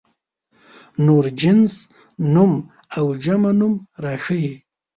نور جنس نوم او جمع نوم راښيي.